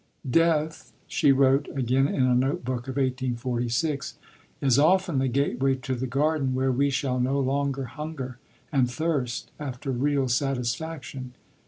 "Death," she wrote (again in a note book of 1846), "is often the gateway to the Garden where we shall no longer hunger and thirst after real satisfaction.